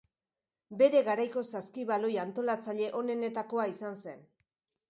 Bere garaiko saskibaloi antolatzaile onenetakoa izan zen.